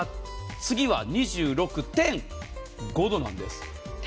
次は２６．５度なんです。